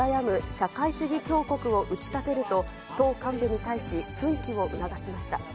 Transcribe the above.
社会主義強国を打ち立てると、党幹部に対し、奮起を促しました。